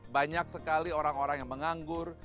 banyak sekali orang orang yang menganggur